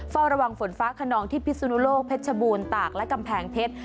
เฝ้าระวังฝนฟ้าขนองที่พิสุนุโลกเพชรบูรตากและกำแพงเพชร